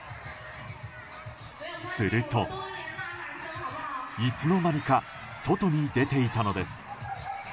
すると、いつの間にか外に出ていたのです。